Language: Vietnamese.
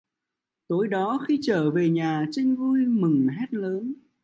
Tối đó khi trở về nhà trinh vui mừng hét lớn